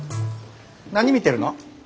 何見てるの？